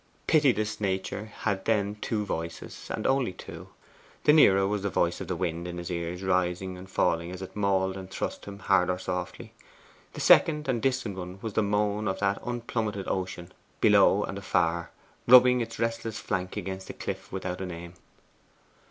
Pitiless nature had then two voices, and two only. The nearer was the voice of the wind in his ears rising and falling as it mauled and thrust him hard or softly. The second and distant one was the moan of that unplummetted ocean below and afar rubbing its restless flank against the Cliff without a Name.